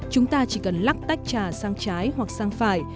chúng ta chỉ cần lắc tách trà sang trái hoặc sang phải